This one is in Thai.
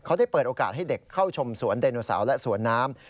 เขาได้เปิดโอกาสให้เด็กเข้าชมสวนไดโนเสาร์และสวนน้ำ